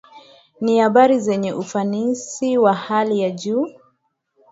Ni bahari zenye ufanisi wa hali ya juu